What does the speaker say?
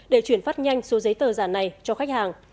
để chuyển phát nhanh số giấy tờ giả này cho khách hàng